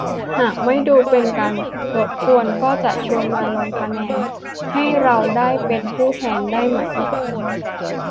หากไม่ดูเป็นการรบกวน ก็จะชวนมาลงคะแนน ให้เราได้เป็นผู้แทนได้ไหม